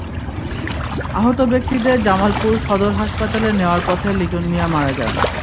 আহত ব্যক্তিদের জামালপুর সদর হাসপাতালে নেওয়ার পথে লিটন মিয়া মারা যান।